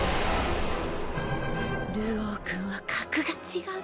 流鶯君は格が違う。